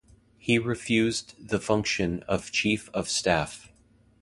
He refused the function of chief of staff.